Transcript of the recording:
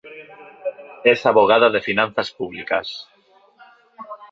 Es abogada de finanzas públicas.